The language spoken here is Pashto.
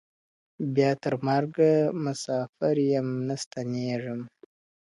بیا تر مرګه مساپر یم نه ستنېږم.